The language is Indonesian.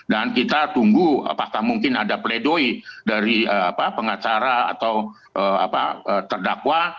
dan kita tunggu apakah mungkin ada pleidoy dari pengacara atau terdakwa